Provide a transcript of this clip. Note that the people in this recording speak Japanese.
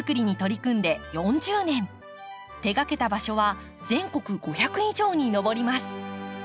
手がけた場所は全国５００以上に上ります。